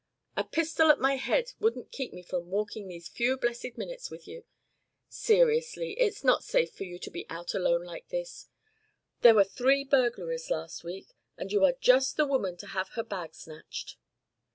A pistol at my head wouldn't keep me from walking these few blessed minutes with you. Seriously, it's not safe for you to be out alone like this. There were three burglaries last week, and you are just the woman to have her bag snatched."